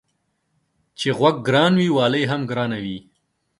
چي غوږ گران وي والى يې هم گران وي.